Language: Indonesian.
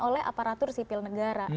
oleh aparatur sipil negara